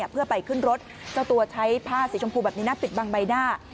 เพื่อไปขึ้นรถเจ้าตัวใช้ผ้าสีชมพูแบบนี้นะปิดบังใบหน้า